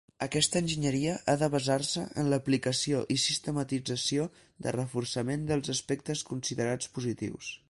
Aquesta enginyeria ha de basar-se en l'aplicació i sistematització de reforçaments dels aspectes considerats positius.